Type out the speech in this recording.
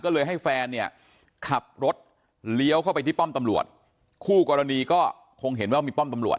ก็เลยให้แฟนเนี่ยขับรถเลี้ยวเข้าไปที่ป้อมตำรวจคู่กรณีก็คงเห็นว่ามีป้อมตำรวจ